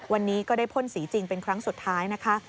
วันนี้ก็ได้พ่นสีจริงเป็นครั้งสุดท้ายนะคะ